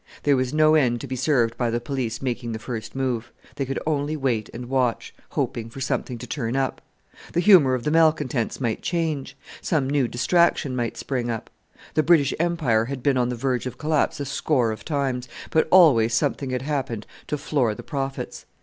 There was no end to be served by the Police making the first move; they could only wait and watch, hoping for something to turn up. The humour of the malcontents might change; some new distraction might spring up. The British Empire had been on the verge of collapse a score of times, but always something had happened to floor the prophets.